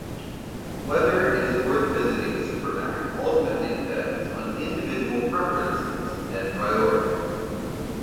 Whether it is worth visiting SuperMac ultimately depends on individual preferences and priorities.